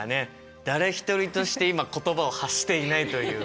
誰一人として今言葉を発していないという。